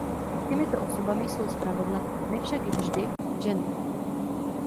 Těmito osobami jsou zpravidla, ne však vždy, ženy.